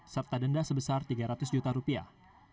serta denda sebesar tiga ratus juta rupiah